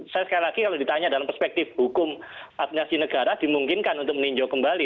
saya sekali lagi kalau ditanya dalam perspektif hukum administrasi negara dimungkinkan untuk meninjau kembali